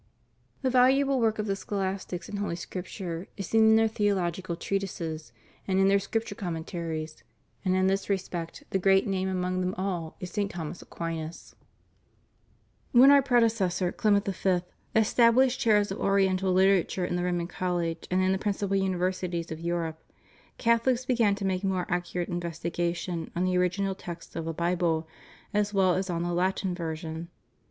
The valuable work of the scholastics in Holy Scripture is seen in their theological treatises and in their Scripture commentaries; and in this respect the greatest name among them all is St. Thomas Aquinas. ' See the Collect on his feast, September 30. 280 THE STUDY OF HOLY SCRIPTURE. When Our predecessor, Clement V., established chairs of Oriental literature in the Roman College and in the principal universities of Europe, Cathohes began to make more accurate investigation on the original text of the Bible as well as on the Latin version.